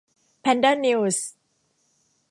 แพนด้านิวส์